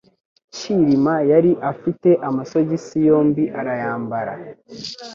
cyilima yari afite amasogisi yombi arayambara.